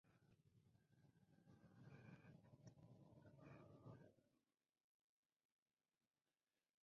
El "bytecode" desplegado es portable, a diferencia del código máquina para cualquier arquitectura concreta.